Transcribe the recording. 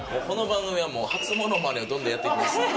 この番組は初物まねをどんどんやっていきます。